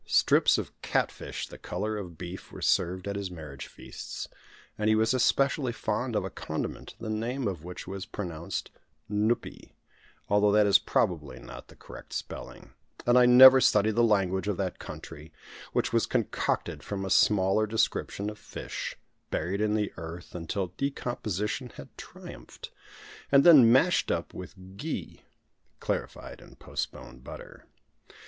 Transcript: Strips of cat fish the colour of beef were served at his marriage feasts; and he was especially fond of a condiment the name of which was pronounced nuppee although that is probably not the correct spelling, and I never studied the language of that country which was concocted from a smaller description of fish, buried in the earth until decomposition had triumphed, and then mashed up with ghee (clarified and "postponed" butter).